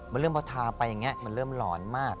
มันเริ่มพอทาไปอย่างนี้มันเริ่มหลอนมาก